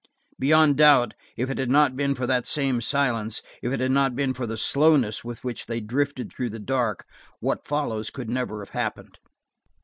Beyond doubt, if it had not been for that same silence, if it had not been for the slowness with which they drifted through the dark, what follows could never have happened.